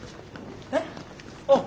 えっ？